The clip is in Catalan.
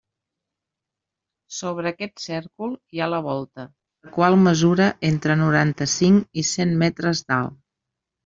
Sobre aquest cèrcol hi ha la volta, la qual mesura entre noranta-cinc i cent metres d'alt.